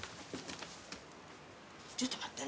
ちょっと待ってな。